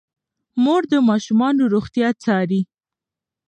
مور د ماشومانو روغتیا څاري.